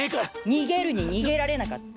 逃げるに逃げられなかった？